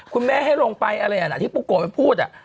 คุณแม่ให้ลงไปอะไรอันนั้นที่บุกกลงไปพูด